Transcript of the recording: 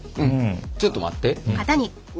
ちょっと待って。